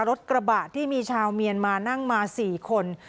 รถกระบะที่มีชาวเมียนมานั่งมา๔คน